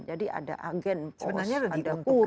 jadi ada agen post ada kurir